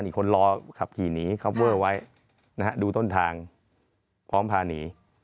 อีกคนรอขับขี่หนีคอปเวอร์ไว้นะฮะดูต้นทางพร้อมพาหนี